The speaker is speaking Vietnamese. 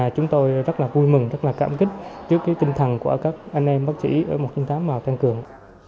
chúng tôi rất là vui mừng rất là cảm kích trước cái tinh thần của các anh em bác sĩ ở một trăm chín mươi tám mà tăng cường